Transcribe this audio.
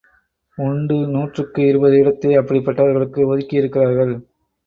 உண்டு நூற்றுக்கு இருபது இடத்தை அப்படிப்பட்டவர்களுக்கு ஒதுக்கியிருக்கிறார்கள்.